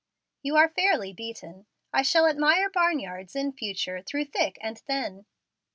You are fairly beaten. I shall admire barn yards in future, through thick and thin."